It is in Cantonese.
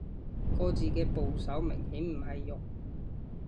個字嘅部首明顯唔係肉